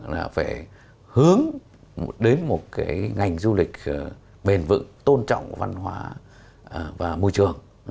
là phải hướng đến một cái ngành du lịch bền vững tôn trọng văn hóa và môi trường